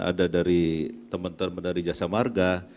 ada dari teman teman dari jasa marga